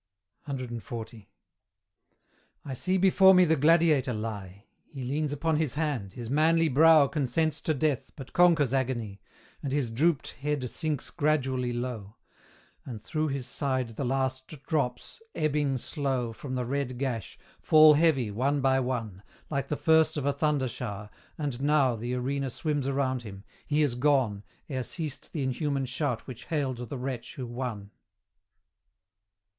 CXL. I see before me the Gladiator lie: He leans upon his hand his manly brow Consents to death, but conquers agony, And his drooped head sinks gradually low And through his side the last drops, ebbing slow From the red gash, fall heavy, one by one, Like the first of a thunder shower; and now The arena swims around him: he is gone, Ere ceased the inhuman shout which hailed the wretch who won.